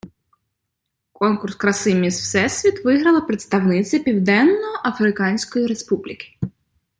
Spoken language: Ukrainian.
Конкурс краси "Міс Всесвіт" виграла представниця Південно-Африканської Республіки.